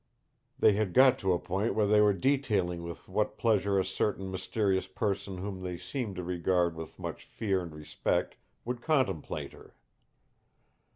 "They had got to a point where they were detailing with what pleasure a certain mysterious person whom they seemed to regard with much fear and respect would contemplate her.